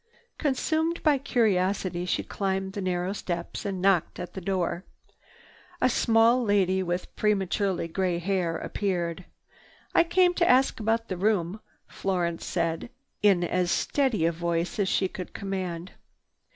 Consumed by curiosity, she climbed the narrow steps and knocked at the door. A small lady with prematurely gray hair appeared. "I came to ask about the room," Florence said in as steady a tone as she could command.